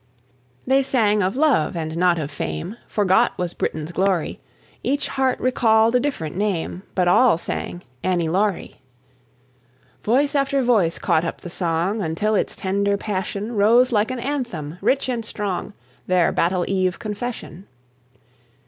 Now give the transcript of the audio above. They sang of love, and not of fame; Forgot was Britain's glory: Each heart recalled a different name, But all sang "Annie Laurie." Voice after voice caught up the song, Until its tender passion Rose like an anthem, rich and strong, Their battle eve confession.